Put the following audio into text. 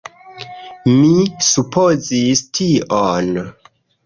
Mi supozis tion.